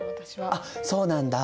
あっそうなんだ。